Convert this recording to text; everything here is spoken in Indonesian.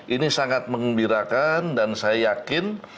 ini sangat mengembirakan dan saya yakin